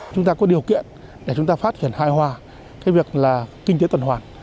chúng ta có điều kiện để chúng ta phát triển hài hòa cái việc là kinh tế tuần hoàn